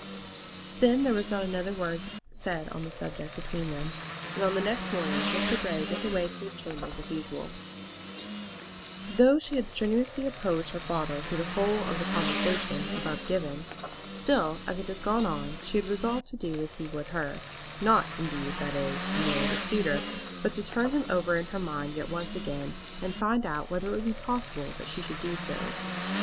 Then there was not another word said on the subject between them, and on the next morning Mr. Grey went away to his chambers as usual. Though she had strenuously opposed her father through the whole of the conversation above given, still, as it had gone on, she had resolved to do as he would her; not indeed, that is, to marry this suitor, but to turn him over in her mind yet once again, and find out whether it would be possible that she should do so.